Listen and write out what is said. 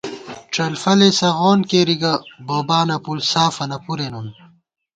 ڄلفَلےسغون کېری گہ بوبانہ پُݪ سافَنہ پُرےنُن